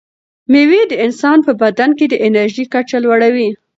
مېوې د انسان په بدن کې د انرژۍ کچه لوړوي.